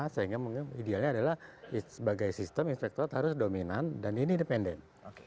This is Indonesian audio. sehingga idealnya adalah sebagai sistem inspektorat harus dominan dan ini independen